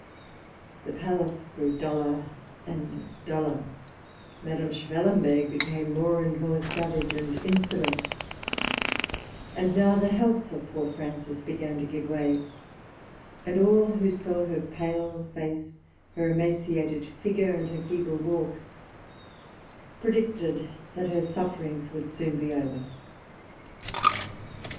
The palace grew duller and duller; Madame Schwellenberg became more and more savage and insolent; and now the health of poor Frances began to give way; and all who saw her pale face, her emaciated figure, and her feeble walk, predicted that her sufferings would soon be over.